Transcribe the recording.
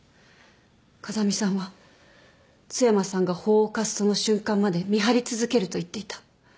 風見さんは津山さんが法を犯すその瞬間まで見張り続けると言っていた。